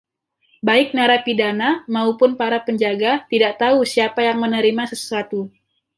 Baik narapidana maupun para penjaga tidak tahu siapa yang menerima sesuatu.